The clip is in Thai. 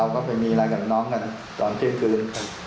ก็ไปมีอะไรกับน้องกันตอนเที่ยงคืน